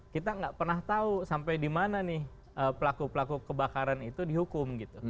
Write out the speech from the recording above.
kita tidak pernah tahu sampai di mana pelaku pelaku kebakaran itu dihukum